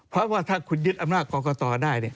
เพราะว่าถ้าคุณยึดอำนาจกรกตได้